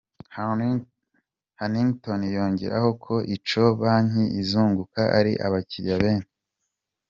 Hannington yongeraho ko icyo banki izunguka ari abakiriya benshi.